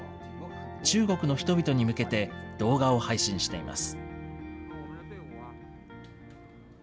中国の人々に向けて動画を配信しています。